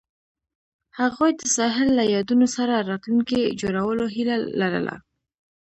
هغوی د ساحل له یادونو سره راتلونکی جوړولو هیله لرله.